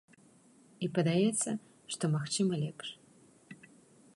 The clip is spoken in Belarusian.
І падаецца, што магчыма лепш.